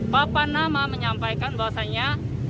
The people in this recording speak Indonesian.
papa nama menyampaikan bahwasannya